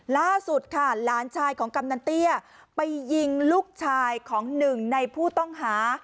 ล่าสุดค่ะหลานชายของกำนันเตี้ยไปยิงลูกชายของหนึ่งในผู้ต้องหา